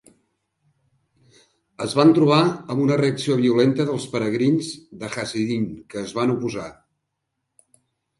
Es van trobar amb una reacció violenta dels peregrins de Hasidim que es van oposar.